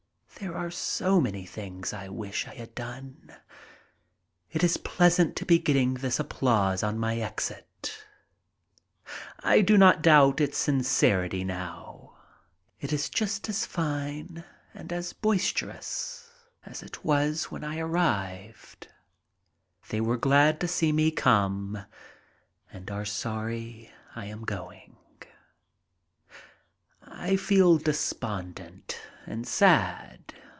There are so many things I wish I had done. It is pleasant to be getting this applause on my exit. I do not doubt its sincerity now. It is just as fine and as boisterous as it was when I arrived. They were glad to see me come and are sorry I am going. I feel despondent and sad.